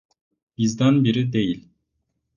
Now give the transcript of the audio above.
Bizden biri değil.